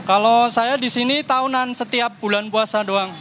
kalau saya di sini tahunan setiap bulan puasa doang